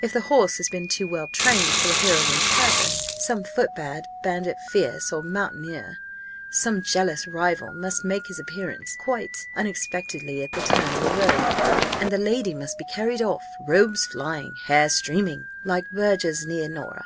If the horse has been too well trained for the heroine's purpose, 'some footpad, bandit fierce, or mountaineer,' some jealous rival must make his appearance quite unexpectedly at the turn of a road, and the lady must be carried off robes flying hair streaming like Bürger's Leonora.